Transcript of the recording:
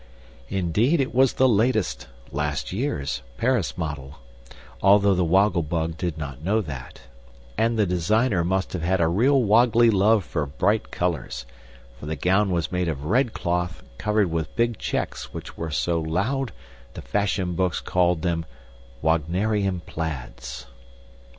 Indeed, it was the latest (last year's) Paris model, although the Woggle Bug did not know that; and the designer must have had a real woggly love for bright colors, for the gown was made of red cloth covered with big checks which were so loud the fashion books called them "Wagnerian Plaids."